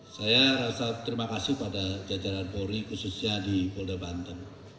saya rasa terima kasih pada jajaran polri khususnya di polda banten